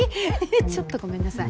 ちょっとごめんなさい。